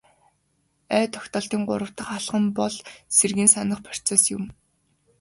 Ой тогтоолтын гурав дахь алхам бол сэргээн санах процесс юм.